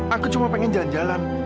aku cuma pengen jalan jalan